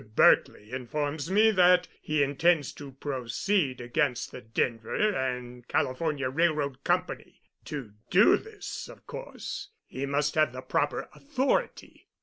Berkely informs me that he intends to proceed against the Denver and California Railroad Company. To do this, of course, he must have the proper authority.